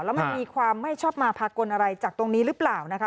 แล้วมันมีความไม่ชอบมาพากลอะไรจากตรงนี้หรือเปล่านะคะ